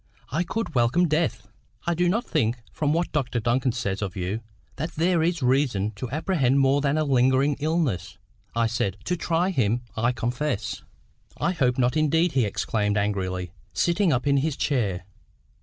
I could welcome death." "I do not think, from what Dr Duncan says of you, that there is reason to apprehend more than a lingering illness," I said—to try him, I confess. "I hope not indeed," he exclaimed angrily, sitting up in his chair.